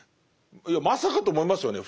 いやまさかと思いますよね。